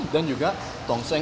dan juga tongseng